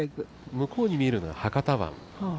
向こうに見えるのが博多湾。